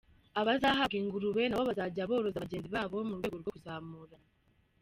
Abazahabwa ingurube nabo bazajya boroza bagenzi babo mu rwego rwo kuzamurana.